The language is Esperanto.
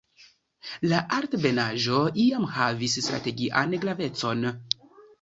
La altebenaĵo iam havis strategian gravecon.